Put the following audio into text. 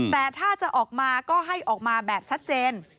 แต่ถ้าจะออกมาก็ให้ออกมาแบบชัดเจน